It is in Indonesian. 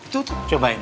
tuh tuh cobain